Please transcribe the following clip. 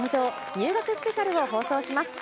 入学スペシャルを放送します。